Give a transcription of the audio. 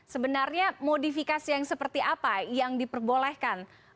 sebenarnya modifikasi yang seperti apa yang diperbolehkan